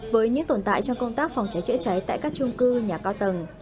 với những tồn tại trong công tác phòng cháy chữa cháy tại các trung cư nhà cao tầng